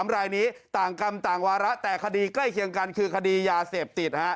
รายนี้ต่างกรรมต่างวาระแต่คดีใกล้เคียงกันคือคดียาเสพติด